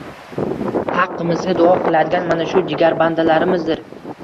haqqimizga duo qiladigan mana shu jigarbandlarimizdir.